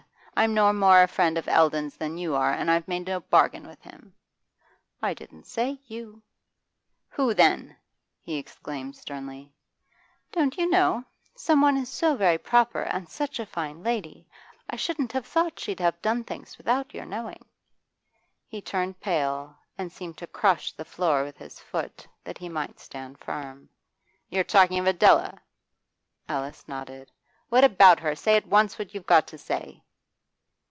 I'm no more a friend of Eldon's than you are, and I've made no bargain with him.' 'I didn't say you.' 'Who then?' he exclaimed sternly. 'Don't you know? Some one is so very proper, and such a fine lady, I shouldn't have thought she'd have done things without your knowing.' He turned pale, and seemed to crush the floor with his foot, that he might stand firm. 'You're talking of Adela?' Alice nodded. 'What about her? Say at once what you've got to say.